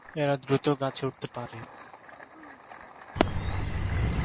এরা দ্রুত গাছে উঠতে পারে।